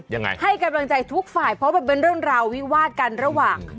ยังไงให้กำลังใจทุกฝ่ายเพราะมันเป็นเรื่องราววิวาดกันระหว่าง